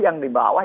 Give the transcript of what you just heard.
yang di bawah